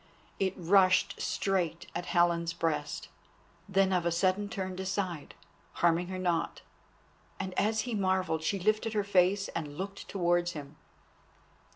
It rushed straight at Helen's breast, then of a sudden turned aside, harming her not. And as he marvelled she lifted her face and looked towards him.